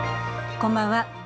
こんばんは。